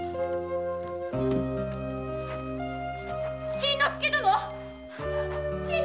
新之助殿！